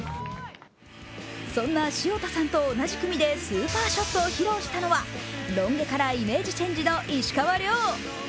そんな潮田さんと同じ組でスーパーショットを披露したのはロン毛からイメージチェンジの石川遼。